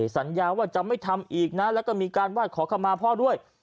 สัญญาว่าจะไม่ทำอีกนะแล้วก็มีการไหว้ขอเข้ามาพ่อด้วย